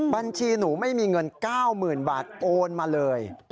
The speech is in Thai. บัญชีหนูไม่มีเงิน๙๐๐๐๐บาทโอนมาเลย